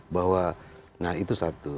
nah itu satu